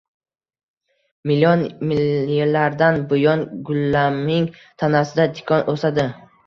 Million yillardan buyon gullaming tanasida tikon o'sadi.